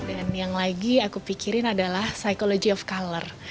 dan yang lagi aku pikirin adalah psychology of color